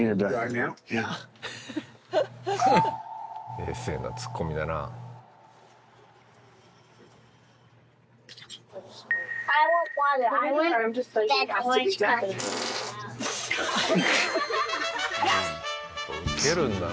冷静なツッコミだな。ウケるんだな。